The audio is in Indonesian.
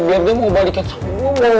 biar dia mau balik ke sana